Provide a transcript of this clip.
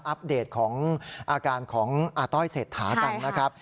อัปเดตของอาการของอาต้อยเศรษฐากันนะครับ